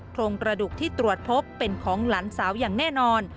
โครงกระดูกที่ตรวจพบเป็นของหลานสาวอย่างแน่นอน